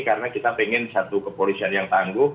karena kita ingin satu kepolisian yang tangguh